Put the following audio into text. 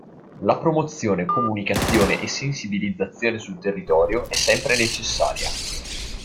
La promozione, comunicazione e sensibilizzazione sul territorio è sempre necessaria.